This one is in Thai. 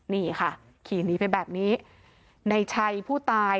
นี่ค่ะขี่หนีไปแบบนี้ในชัยผู้ตาย